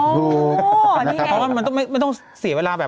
พอก็นั่นไม่ต้องเสียเวลา